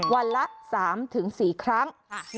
วันละ๓๔ครั้ง